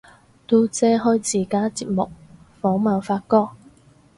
嘟姐開自家節目訪問發哥